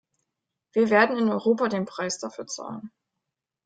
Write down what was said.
Wir werden in Europa den Preis dafür zahlen.